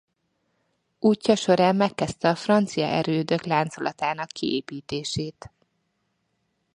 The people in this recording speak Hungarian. Útja során megkezdte a francia erődök láncolatának kiépítését.